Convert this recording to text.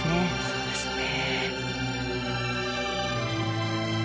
そうですね。